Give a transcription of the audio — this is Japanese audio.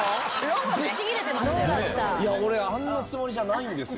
いや俺あんなつもりじゃないんですよ。